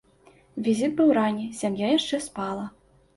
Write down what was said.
Візіт быў ранні, сям'я яшчэ спала.